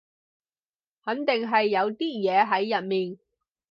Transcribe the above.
肯定係有啲嘢喺入面